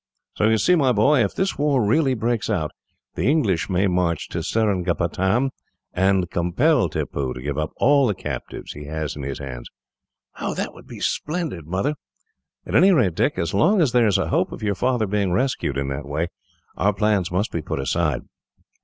"So you see, my boy, if this war really breaks out, the English may march to Seringapatam, and compel Tippoo to give up all the captives he has in his hands." "That would be splendid, Mother." "At any rate, Dick, as long as there is a hope of your father being rescued, in that way, our plans must be put aside."